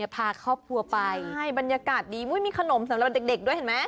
พาครอบครัวไปใช่บรรยากาศดีมีขนมสำหรับเด็กด้วยเห็นไหม